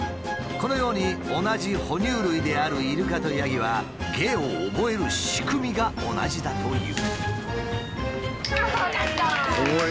このように同じ哺乳類であるイルカとヤギは芸を覚える仕組みが同じだという。